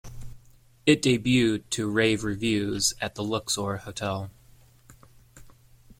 It debuted to rave reviews at the Luxor Hotel.